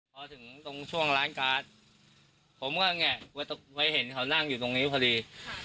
พอถึงตรงช่วงร้านการ์ดผมก็เนี่ยเพื่อตกไปเห็นเขานั่งอยู่ตรงนี้พอดี